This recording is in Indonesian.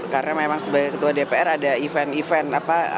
karena memang sebagai ketua dpr ada event event